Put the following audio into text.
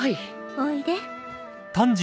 おいで。